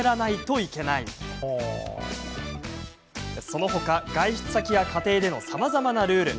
その他、外出先や家庭でのさまざまなルール。